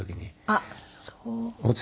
あっそう。